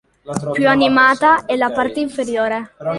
Più animata è la parte inferiore.